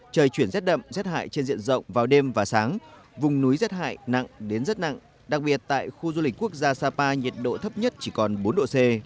trời chuyển rét đậm rét hại trên diện rộng vào đêm và sáng vùng núi rét hại nặng đến rất nặng đặc biệt tại khu du lịch quốc gia sapa nhiệt độ thấp nhất chỉ còn bốn độ c